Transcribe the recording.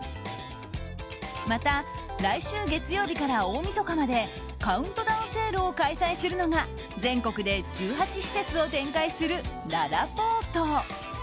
また、来週月曜日から大みそかまでカウントダウンセールを開催するのが全国で１８施設を展開するららぽーと。